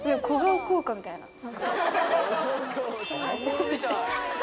小顔効果みたいな。